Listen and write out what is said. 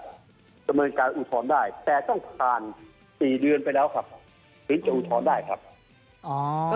แต่ต้องผ่าน๔เดือนไปแล้วครับถึงจะอุทธรณ์ได้ครับ